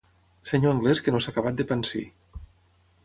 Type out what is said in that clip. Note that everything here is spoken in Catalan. Senyor anglès que no s'ha acabat de pansir.